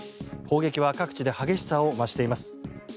砲撃は各地で激しさを増しています。